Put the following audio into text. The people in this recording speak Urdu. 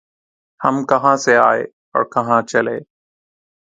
ہم کہاں سے آئے اور کہاں چلے؟